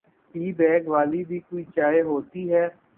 T bag والی بھی کوئی چائے ہوتی ہے؟